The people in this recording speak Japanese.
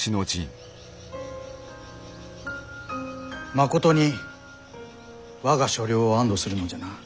まことに我が所領を安堵するのじゃな。